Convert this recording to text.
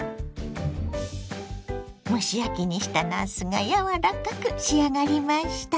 蒸し焼きにしたなすが柔らかく仕上がりました。